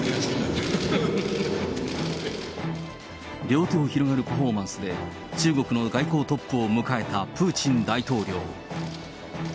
両手を広げるパフォーマンスで、中国の外交トップを迎えたプーチン大統領。